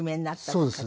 そうです。